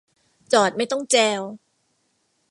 จอดไม่ต้องแจว